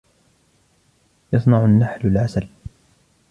يصنع النحل العسل.